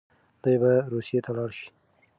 دی به روسيې ته لاړ شي.